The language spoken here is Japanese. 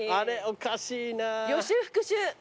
おかしいな。予習復習。